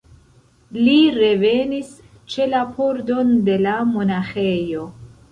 Li revenis ĉe la pordon de la monaĥejo.